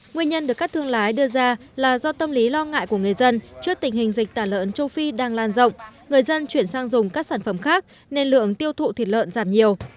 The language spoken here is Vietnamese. nguyên nhân được các thương lái đưa ra là do tâm lý lo ngại của người dân trước tình hình dịch tả lợn châu phi đang lan rộng người dân chuyển sang dùng các sản phẩm khác nên lượng tiêu thụ thịt lợn giảm nhiều